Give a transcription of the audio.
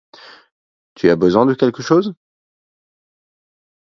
Tu as besoin de quelque chose ?